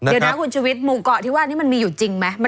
เดี๋ยวนะคุณชุวิตหมู่เกาะที่ว่านี่มันมีอยู่จริงไหม